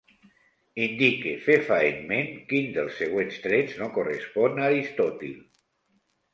Indique fefaentment quin dels següents trets no correspon a Aristòtil.